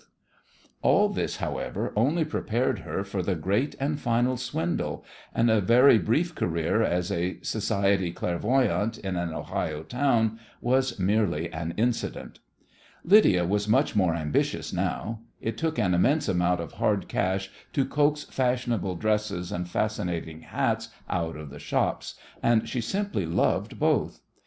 CHADWICK] All this, however, only prepared her for the great and final swindle, and a very brief career as a "society clairvoyante" in an Ohio town was merely an incident. Lydia was much more ambitious now. It took an immense amount of hard cash to coax fashionable dresses and fascinating hats out of the shops, and she simply loved both.